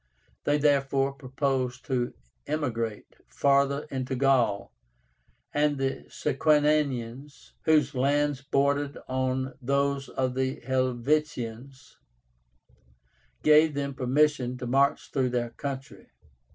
They therefore proposed to emigrate farther into Gaul, and the Sequanians, whose lands bordered on those of the Helvetians, gave them permission to march through their country.